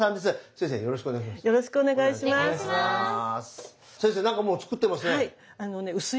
先生何かもう作ってますね。